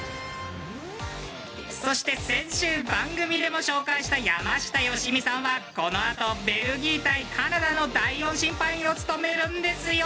そして先週番組でも紹介した山下良美さんはこのあとベルギー対カナダの第４審判員を務めるんですよ